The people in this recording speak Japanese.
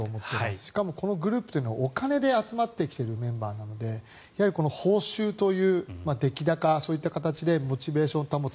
しかもこのグループというのはお金で集まってきているメンバーなので報酬という出来高そういった形でモチベーションを保つ。